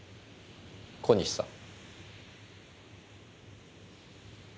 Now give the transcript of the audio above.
小西さん。